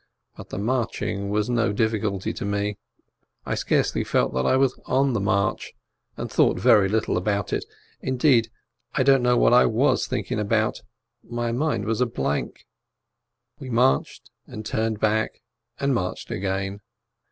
But the marching was no difficulty to me, I scarcely felt that I was on the march, and thought very little about it. Indeed, I don't know what I was thinking about, my mind was a blank. We marched, turned back, and marched again.